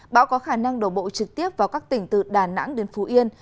bão có khả năng đổ bộ trực tiếp vào các tỉnh từ đà nẵng đến phú yên